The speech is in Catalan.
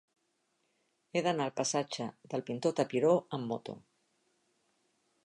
He d'anar al passatge del Pintor Tapiró amb moto.